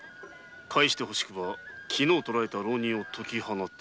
返して欲しくば昨日捕えた浪人を解き放せ」